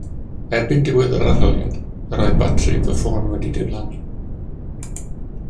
Erbyn diwedd yr arholiad, yr oedd batri fy ffôn wedi diflannu